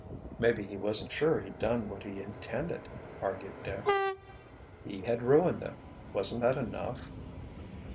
"Maybe he wasn't sure he'd done what he intended," argued Dick. "He had ruined them! Wasn't that enough?"